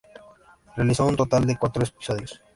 Realizó un total de cuatro episodios.